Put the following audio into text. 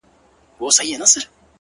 • وروسته وار سو د غوايي د ښکر وهلو ,